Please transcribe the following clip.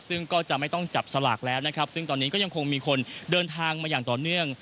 ซึ่งก็จะไม่ต้องจับสลากแล้วนะครับซึ่งตอนนี้ก็ยังคงมีคนเดินทางมาอย่างต่อเนื่อง